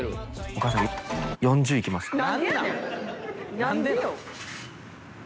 お母さん、４０いきますか？